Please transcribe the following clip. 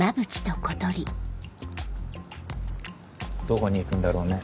どこに行くんだろうね。